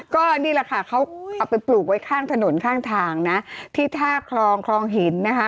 ก็นี่แหละค่ะเขาเอาไปปลูกไว้ข้างถนนข้างทางนะที่ท่าคลองคลองหินนะคะ